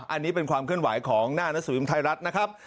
อันนี้เป็นความเคลื่อนไหวของหน้าหนังสือพิมพ์ไทยรัฐนะครับ